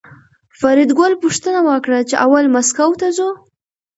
فریدګل پوښتنه وکړه چې اول مسکو ته ځو